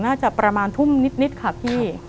น่าจะประมาณทุ่มนิดค่ะพี่